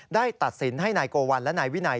ตัดสินให้นายโกวัลและนายวินัย